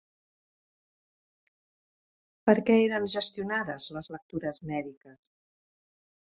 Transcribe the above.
Per què eren gestionades les lectures mèdiques?